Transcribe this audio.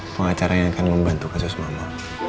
pengacara yang akan membantu kasus mama